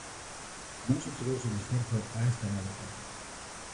Non se chegou sen esforzo a esta nova etapa.